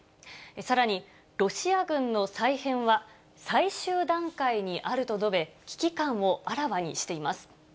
さらにロシア軍の再編は最終段階にあると述べ、危機感をあらわにしています。